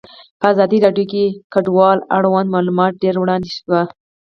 په ازادي راډیو کې د کډوال اړوند معلومات ډېر وړاندې شوي.